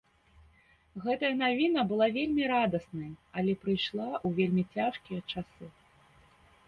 Гэтая навіна была вельмі радаснай, але прыйшла ў вельмі цяжкія часы.